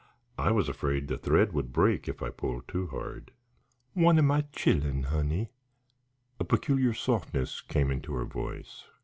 I was afraid the thread would break if I pulled too hard. "One o' my chillen, honey." A peculiar softness came into her voice.